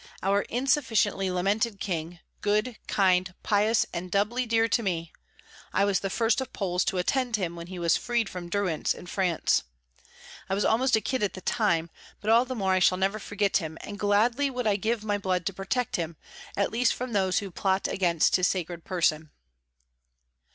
Our insufficiently lamented king, good, kind, pious, and doubly dear to me, I was the first of Poles to attend him when he was freed from durance in France. I was almost a child at the time, but all the more I shall never forget him; and gladly would I give my blood to protect him, at least from those who plot against his sacred person."